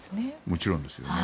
もちろんですよね。